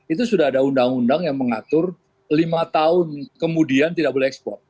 itu sudah ada undang undang yang mengatur lima tahun kemudian tidak boleh ekspor